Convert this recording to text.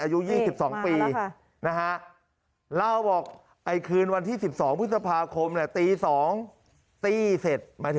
อายุยี่สิบสองปีมาแล้วค่ะนะฮะเล่าบอกไอคืนวันที่สิบสองพฤษภาคมเนี่ย